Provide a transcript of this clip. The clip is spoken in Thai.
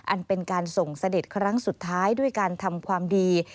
อันเป็นการส่งเสด็จครั้งสุดท้ายด้วยการทำความดี